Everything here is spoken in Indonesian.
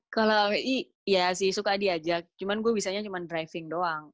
kalau iya sih suka diajak cuman gue bisanya cuma driving doang